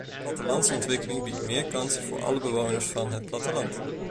Plattelandsontwikkeling biedt meer kansen voor alle bewoners van het platteland.